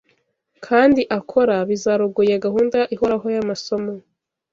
kandi akora bizarogoya gahunda ihoraho y’amasomo